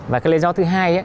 và cái lý do thứ hai